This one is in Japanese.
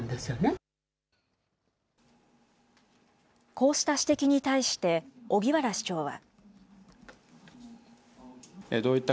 こうした指摘に対して荻原市長は。